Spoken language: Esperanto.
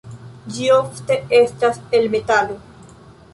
Ĝi ofte estas el metalo.